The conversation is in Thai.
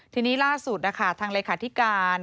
ที่นี้ล่าสุดทางเลยคาธิการ